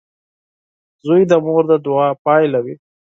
• زوی د مور د دعا پایله وي.